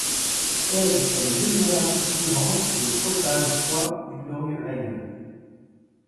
Pèse sur les deux générations suivantes de Trotta le poids du glorieux aïeul.